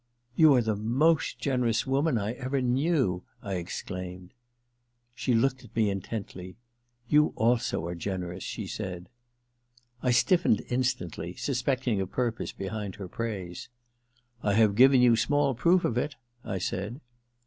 * You are the most generous woman I ever knew !' I exclaimed. She looked at me intently. ^ You also are generous,' she said. I stiflened instantly, suspecting a purpose behind her praise. * I have given you small proof of it !' I said.